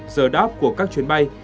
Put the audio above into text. giờ đáp của các chuyến bay